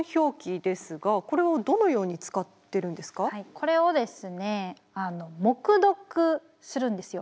これをですね黙読するんですよ。